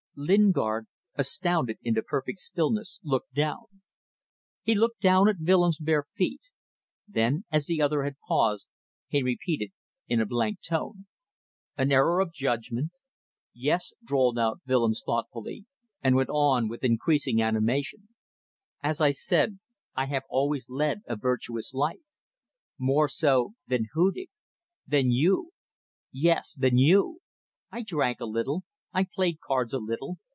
Lingard, astounded into perfect stillness, looked down. He looked down at Willems' bare feet. Then, as the other had paused, he repeated in a blank tone "An error of judgment ..." "Yes," drawled out Willems, thoughtfully, and went on with increasing animation: "As I said, I have always led a virtuous life. More so than Hudig than you. Yes, than you. I drank a little, I played cards a little.